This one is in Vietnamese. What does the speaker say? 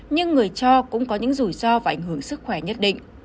nhưng người cho cũng có những rủi ro và ảnh hưởng sức khỏe nhất định